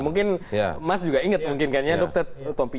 mungkin mas juga ingat mungkin kan ya dr tompi